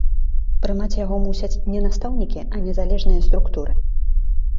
Прымаць яго мусяць не настаўнікі, а незалежныя структуры.